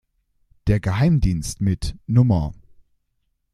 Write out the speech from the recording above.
Der Geheimdienst mit "No.